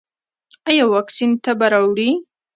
ایا واکسین تبه راوړي؟